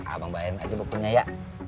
abang bayangin aja bukunya ya